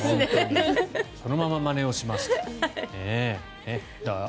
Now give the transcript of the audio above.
そのまま、まねをしますから。